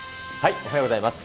おはようございます。